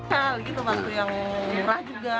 hal gitu waktu yang murah juga